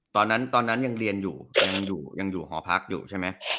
ตอนนั้นยังเรียนอยู่ยังอยู่หอพักใช่ไหม